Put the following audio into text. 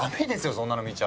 そんなの見ちゃ！